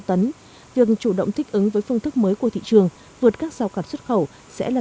tấn việc chủ động thích ứng với phương thức mới của thị trường vượt các rào cản xuất khẩu sẽ là